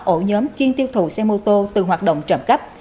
ổ nhóm chuyên tiêu thụ xe mô tô từ hoạt động trầm cấp